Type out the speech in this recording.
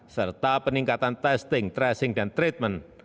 serta peningkatan testing tracing dan treatment